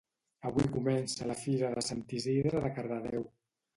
Avui comença la fira de Sant Isidre de Cardedeu